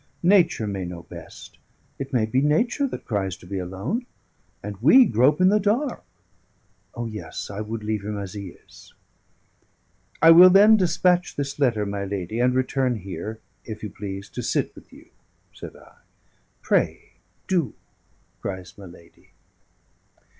"Nature may know best; it may be Nature that cries to be alone; and we grope in the dark. O yes, I would leave him as he is." "I will, then, despatch this letter, my lady, and return here, if you please, to sit with you," said I. "Pray do," cries my lady.